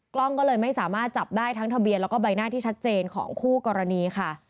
กล้องก็เลยไม่สามารถจับได้ทั้งทะเบียนแล้วก็ใบหน้าที่ชัดเจนของคู่กรณีค่ะ